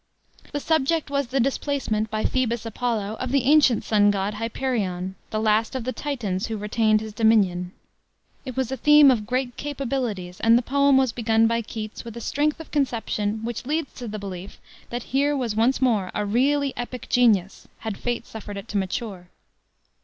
The subject was the displacement, by Phoebus Apollo, of the ancient sun god, Hyperion, the last of the Titans who retained his dominion. It was a theme of great capabilities, and the poem was begun by Keats, with a strength of conception which leads to the belief that here was once more a really epic genius, had fate suffered it to mature.